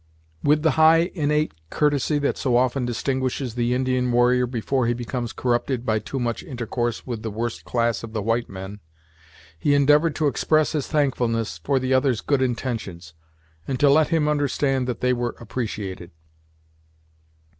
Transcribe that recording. With the high innate courtesy that so often distinguishes the Indian warrior before he becomes corrupted by too much intercourse with the worst class of the white men, he endeavored to express his thankfulness for the other's good intentions, and to let him understand that they were appreciated.